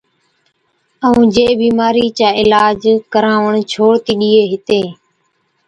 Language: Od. ائُون جي بِيمارِي چا عِلاج ڪراوَڻ ڇوڙتِي ڏِيئي هِتين۔